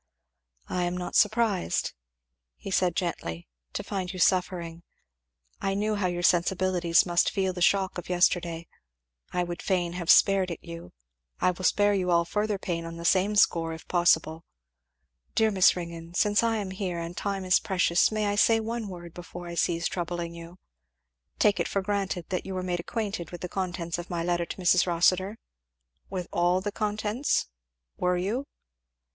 "I am not surprised," he said gently, "to find you suffering. I knew how your sensibilities must feel the shock of yesterday I would fain have spared it you I will spare you all further pain on the same score if possible Dear Miss Ringgan, since I am here and time is precious may I say one word before I cease troubling you take it for granted that you were made acquainted with the contents of my letter to Mrs. Rossitur? with all the contents? were you?"